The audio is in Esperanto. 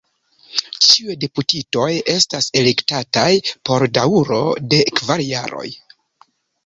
Ĉiuj deputitoj estas elektataj por daŭro de kvar jaroj.